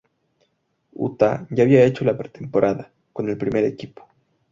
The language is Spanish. Uta ya había hecho la pretemporada con el primer equipo.